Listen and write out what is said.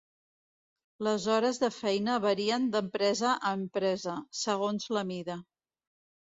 Les hores de feina varien d'empresa a empresa, segons la mida.